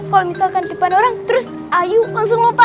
kalo misalkan di depan orang terus ayo langsung lupa